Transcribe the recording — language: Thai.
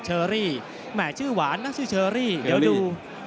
เชอรี่แหม่ชื่อหวานนะชื่อเชอรี่เดี๋ยวดู